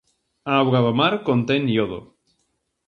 A auga do mar contén iodo.